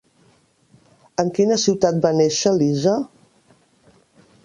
En quina ciutat va néixer Lisa?